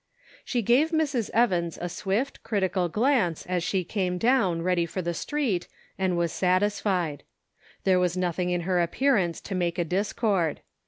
She gave Mrs. Evans a swift, critical glance as she came down, ready for the street, and was satisfied. There was nothing in her appearance to make a discord.